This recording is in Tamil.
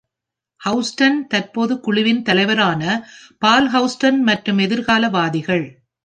ஹவுஸ்டன் தற்போது குழுவின் தலைவரான பால் ஹவுஸ்டன் மற்றும் எதிர்காலவாதிகள்.